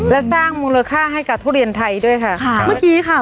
และสร้างมูลค่าให้กับทุเรียนไทยด้วยค่ะค่ะเมื่อกี้ค่ะ